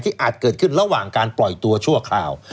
อาจเกิดขึ้นระหว่างการปล่อยตัวชั่วคราว